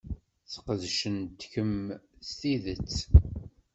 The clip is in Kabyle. Sqedcent-kem s tidet.